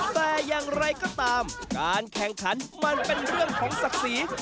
แต่อย่างไรก็ตามการแข่งขันมันเป็นเรื่องของศักดิ์ศรี